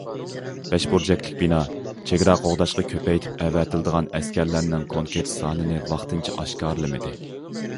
بەش بۇرجەكلىك بىنا چېگرا قوغداشقا كۆپەيتىپ ئەۋەتىلىدىغان ئەسكەرلەرنىڭ كونكرېت سانىنى ۋاقتىنچە ئاشكارىلىمىدى.